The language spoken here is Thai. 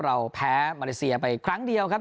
เราแพ้มาเลเซียไปครั้งเดียวครับ